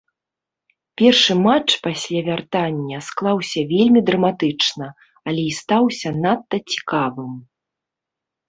Першы матч пасля вяртання склаўся вельмі драматычна, але і стаўся надта цікавым.